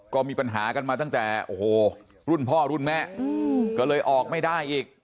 ก็มีปัญหากันมาตั้งแต่โอ้โหรุ่นพ่อรุ่นแม่ก็เลยออกไม่ได้อีก